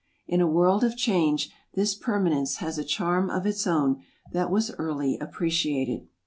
In a world of change, this permanence has a charm of its own that was early appreciated.